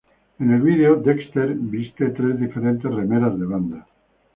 En el vídeo, Dexter viste tres diferentes remeras de bandas.